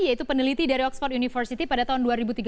yaitu peneliti dari oxford university pada tahun dua ribu tiga belas